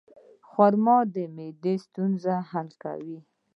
خرما د معدې د ستونزو حل کوي.